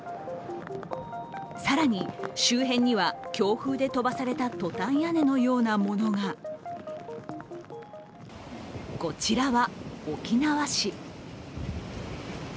更に、周辺には強風で飛ばされたトタン屋根のようなものがこちらは沖縄市。